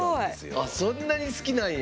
あそんなに好きなんや。